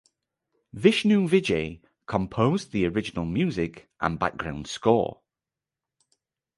Vishnu Vijay composed the original music and background score.